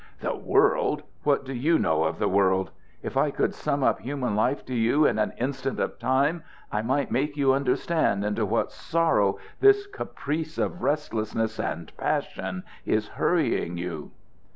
"The world! What do you know of the world? If I could sum up human life to you in an instant of time, I might make you understand into what sorrow this caprice of restlessness and passion is hurrying you."